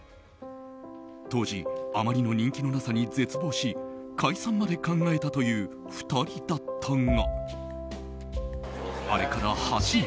当時あまりの人気のなさに絶望し解散まで考えたという２人だったがあれから８年。